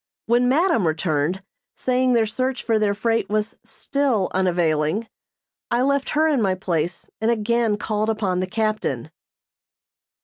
When madam returned, saying their search for their freight was still unavailing, I left her in my place and again called upon the captain.